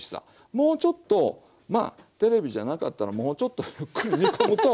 もうちょっとまあテレビじゃなかったらもうちょっとゆっくり煮込むと。